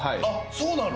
そうなの？